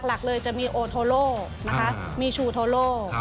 หลักเลยจะมีโอโทโลนะคะมีชูโทโล